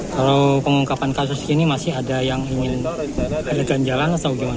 kalau pengungkapan kasus ini masih ada yang ingin adegan jalan atau gimana